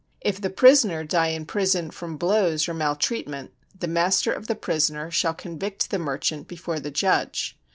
If the prisoner die in prison from blows or maltreatment, the master of the prisoner shall convict the merchant before the judge.